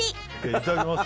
いただきます